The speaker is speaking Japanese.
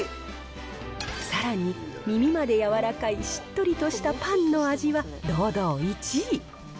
さらに、耳まで柔らかいしっとりとしたパンの味は、堂々１位。